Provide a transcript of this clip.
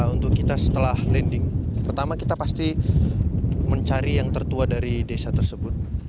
untuk kita setelah landing pertama kita pasti mencari yang tertua dari desa tersebut